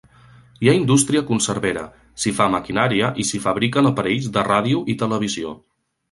Hi ha indústria conservera, s'hi fa maquinària i s'hi fabriquen aparells de ràdio i televisió.